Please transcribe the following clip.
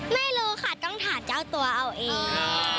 ไม่รู้ค่ะต้องถามเจ้าตัวเอาเอง